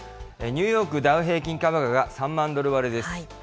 ニューヨークダウ平均株価が３万ドル割れです。